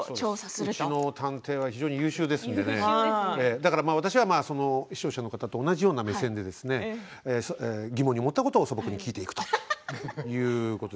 うちの探偵は優秀で私は視聴者の方と同じような目線で疑問に思ったことを素朴に聞いていくということで。